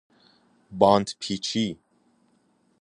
باندپیچی